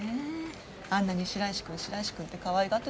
あんなに白石君白石君ってかわいがってたのに。